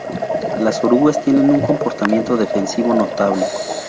Las orugas tienen un comportamiento defensivo notable.